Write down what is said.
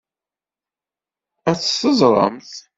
Ad t-teẓremt.